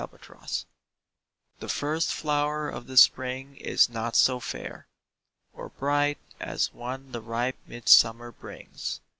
LAST LOVE The first flower of the spring is not so fair Or bright as one the ripe midsummer brings.